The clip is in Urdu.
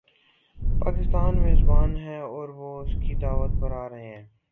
پاکستان میزبان ہے اور وہ اس کی دعوت پر آ رہے ہیں۔